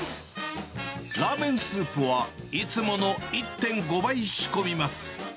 ラーメンスープは、いつもの１．５倍仕込みます。